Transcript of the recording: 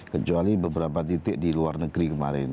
kecuali beberapa titik di luar negeri kemarin